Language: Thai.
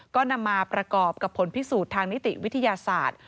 ก็นำมาประกอบกับผลพิสูจน์ทางนิติวิทยาศาสตร์